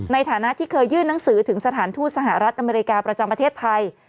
ในฐานะที่เคยยื่นหนังสือถึงสถานทูตสหรัฐอเมริกาประจำประเทศไทย